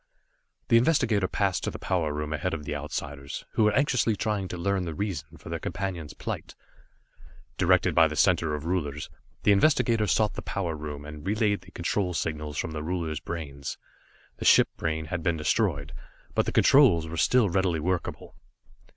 The investigator passed to the power room ahead of the Outsiders, who were anxiously trying to learn the reason for their companion's plight. [Illustration: Illustrated by MOREY] Directed by the Center of Rulers, the investigator sought the power room, and relayed the control signals from the Rulers' brains. The ship brain had been destroyed, but the controls were still readily workable.